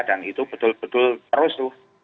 dan itu betul betul terus tuh